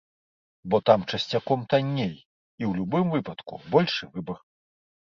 Бо там часцяком танней, і ў любым выпадку большы выбар.